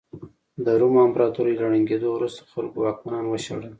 د روم امپراتورۍ له ړنګېدو وروسته خلکو واکمنان وشړل